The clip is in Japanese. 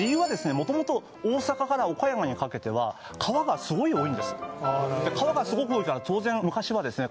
元々大阪から岡山にかけては川がすごい多いんですで川がすごく多いから当然昔はですね